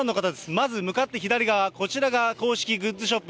まず向かって左側、こちらが公式グッズショップ。